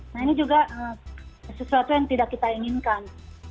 nah ini juga sesuatu yang tidak kita inginkan